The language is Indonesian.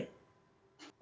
untuk menaikan harga bbm